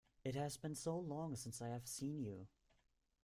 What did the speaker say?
It has been so long since I have seen you!